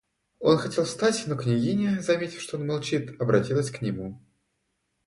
Он хотел встать, но княгиня, заметив, что он молчит, обратилась к нему.